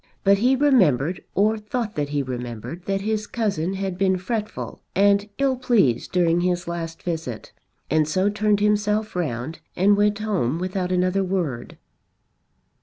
But he remembered or thought that he remembered, that his cousin had been fretful and ill pleased during his last visit, and so turned himself round and went home without another word.